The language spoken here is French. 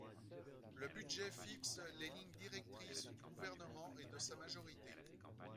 Le budget fixe les lignes directrices du Gouvernement et de sa majorité.